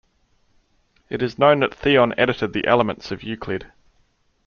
It is known that Theon edited the "Elements" of Euclid.